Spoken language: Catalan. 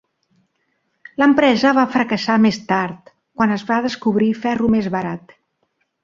L'empresa va fracassar més tard, quan es va descobrir ferro més barat.